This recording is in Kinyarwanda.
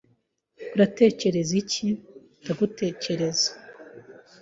"Uratekereza iki?" "Ndagutekereza."